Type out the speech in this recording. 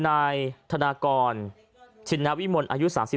นายธนากรชินวิมลอายุ๓๒